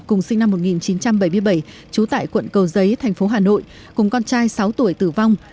cùng sinh năm một nghìn chín trăm bảy mươi bảy trú tại quận cầu giấy thành phố hà nội cùng con trai sáu tuổi tử vong